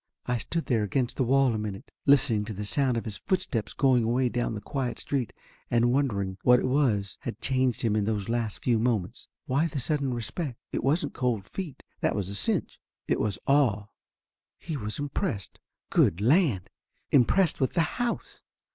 I stood there against the wall a minute, listening to the sound of his footsteps going away down the quiet street and won dering what it was had changed him in those last few moments? Why the sudden respect? It wasn't cold feet, that was a cinch. It was awe. He was im pressed. Good land! Impressed with the house!